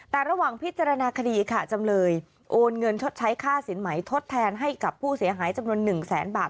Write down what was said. แต่ระหว่างพิจารณาคดีค่ะจำเลยโอนเงินชดใช้ค่าสินใหม่ทดแทนให้กับผู้เสียหายจำนวน๑แสนบาท